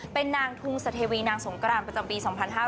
เป็นนางทุงสเทวีนางสงกรานประจำปี๒๕๕๙